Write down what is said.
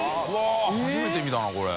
舛初めて見たなこれ。